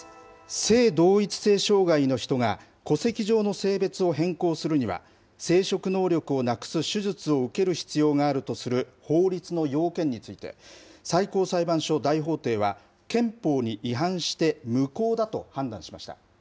性同一性障害の人が、戸籍上の性別を変更するには、生殖能力をなくす手術を受ける必要があるとする法律の要件について、最高裁判所大法廷は、憲法に違反して無効だと判断しました。